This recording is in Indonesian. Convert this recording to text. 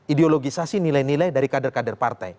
ideologisasi nilai nilai dari kader kader partai